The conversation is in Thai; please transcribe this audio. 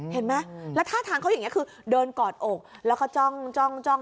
เห็นไหมแล้วท่าทางเขาอย่างนี้คือเดินกอดอกแล้วก็จ้อง